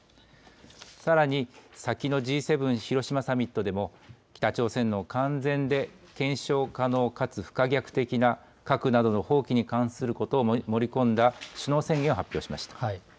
さらに、先のＧ７広島サミットでも、北朝鮮の完全で検証可能かつ不可逆的な核などの放棄に関することを盛り込んだ首脳宣言を発表しました。